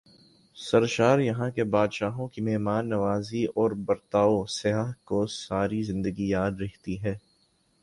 سرشاریہاں کے باشندوں کی مہمان نوازی اور برتائو سیاح کو ساری زندگی یاد رہتی ہیں ۔